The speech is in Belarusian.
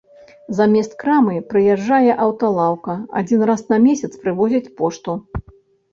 Замест крамы прыязджае аўталаўка, адзін раз на месяц прывозяць пошту.